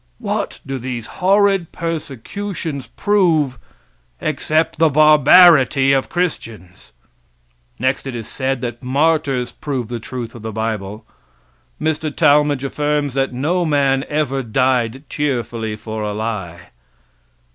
What do these horrid persecutions prove, except the barbarity of Christians? Next it is said that martyrs prove the truth of the bible. Mr. Talmage affirms that no man ever died cheerfully for a lie.